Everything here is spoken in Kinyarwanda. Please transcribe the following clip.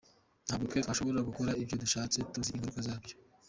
Ntabwo twe twashobora gukora ibyo dushatse, tuzi ingaruka zabyo.